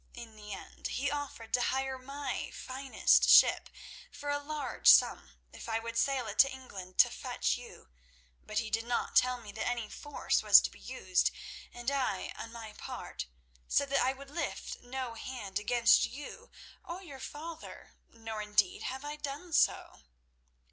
In the end, he offered to hire my finest ship for a large sum, if I would sail it to England to fetch you; but he did not tell me that any force was to be used, and I, on my part, said that I would lift no hand against you or your father, nor indeed have I done so."